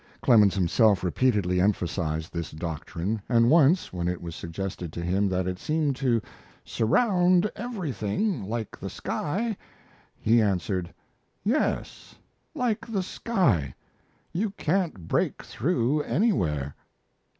Clemens himself repeatedly emphasized this doctrine, and once, when it was suggested to him that it seemed to "surround every thing, like the sky," he answered: "Yes, like the sky; you can't break through anywhere."